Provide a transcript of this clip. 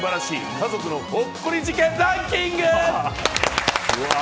家族のほっこり事件ランキング。